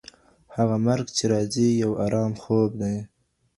هغه مرګ چي راځي یو ارام خوب دی.